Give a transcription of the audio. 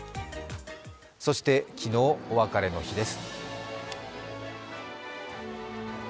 そして昨日、お別れの日です。